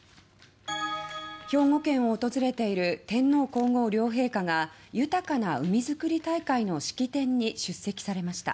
兵庫県を訪れている天皇・皇后両陛下が「豊かな海づくり大会」の式典に出席されました。